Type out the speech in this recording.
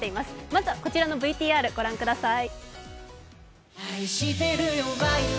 まずはこちらのＶＴＲを御覧ください